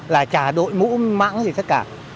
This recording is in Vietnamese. và trả đội mũ mẵng thì tất cả